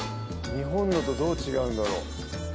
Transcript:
日本のとどう違うんだろ？